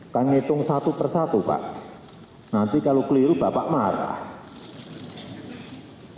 kan hitung satu per satu pak nanti kalau keliru bapak marah